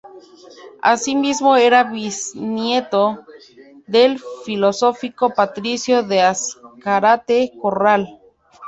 Asimismo era bisnieto del filósofo Patricio de Azcárate Corral.